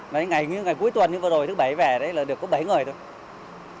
đấy ngày cuối tuần như vừa rồi thứ bảy về đấy là được có bảy người thôi